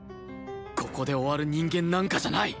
ここで終わる人間なんかじゃない！